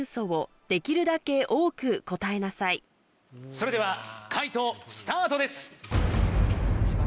それでは解答スタートです。